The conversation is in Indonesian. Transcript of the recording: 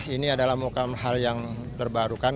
ini adalah bukan hal yang terbarukan